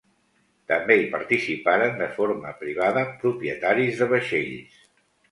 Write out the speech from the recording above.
També hi participaren de forma privada propietaris de vaixells.